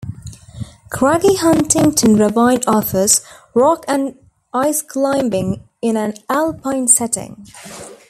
Craggy Huntington Ravine offers rock and ice climbing in an alpine setting.